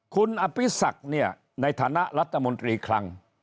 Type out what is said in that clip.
คุณอฤษัคในฐานะรัฐมนตรีครัง